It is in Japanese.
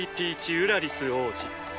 ＝ウラリス王子。